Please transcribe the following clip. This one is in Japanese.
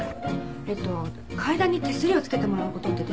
えっと階段に手すりをつけてもらう事ってできますか？